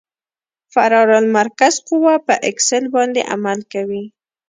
فرار المرکز قوه په اکسل باندې عمل کوي